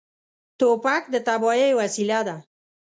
توپک د تباهۍ وسیله ده.